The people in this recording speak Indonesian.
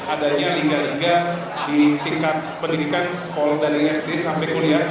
adanya liga liga di tingkat pendidikan sekolah dan sd sampai kuliah